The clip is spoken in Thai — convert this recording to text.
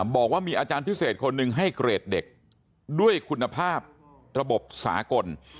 บอกว่ามีอาจารย์พิเศษคนหนึ่งให้เกรดเด็กด้วยคุณภาพระบบสากล